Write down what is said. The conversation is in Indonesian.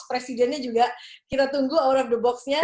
presidennya juga kita tunggu our of the box nya